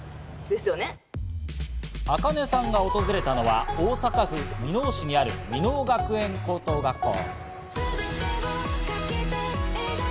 ａｋａｎｅさんが訪れたのは大阪府箕面市にある箕面学園高等学校。